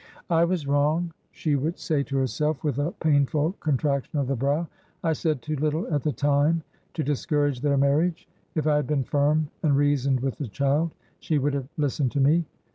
"I was wrong," she would say to herself, with a painful contraction of the brow. "I said too little at the time to discourage their marriage; if I had been firm and reasoned with the child, she would have listened to me.